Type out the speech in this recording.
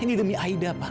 ini demi aida pak